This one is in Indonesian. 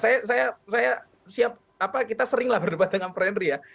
saya siap kita sering berdebat dengan pemerintah ya